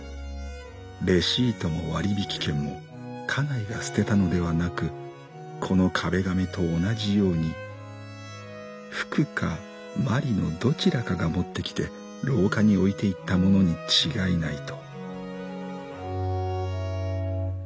レシートも割引券も家内が捨てたのではなくこの壁紙と同じようにふくかまりのどちらかが持ってきて廊下に置いていったものに違いないと」。